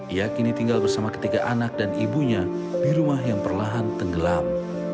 ia kini tinggal bersama ketiga anak dan ibunya di rumah yang perlahan tenggelam